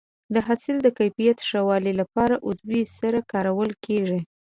د حاصل د کیفیت ښه والي لپاره عضوي سرې کارول کېږي.